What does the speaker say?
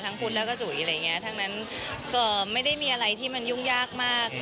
พุทธแล้วก็จุ๋ยอะไรอย่างเงี้ยทั้งนั้นก็ไม่ได้มีอะไรที่มันยุ่งยากมาก